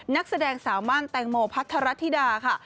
นักแสดงสาวม่านแตงโมพัทรธิดาค่ะ